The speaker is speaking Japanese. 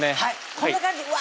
こんな感じうわ！